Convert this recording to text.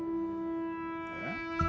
えっ？